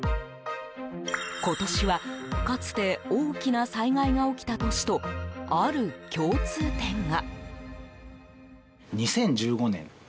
今年はかつて大きな災害が起きた年とある共通点が。